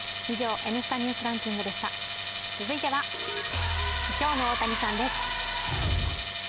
続いては、今日の大谷さんです。